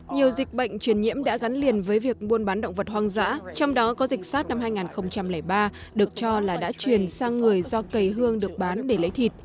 nhiều dịch bệnh truyền nhiễm đã gắn liền với việc buôn bán động vật hoang dã trong đó có dịch sars năm hai nghìn ba được cho là đã truyền sang người do cây hương được bán để lấy thịt